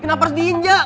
kenapa harus diinjak